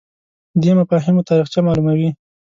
دی مفاهیمو تاریخچه معلوموي